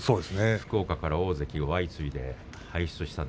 福岡から大関を相次いで輩出しました。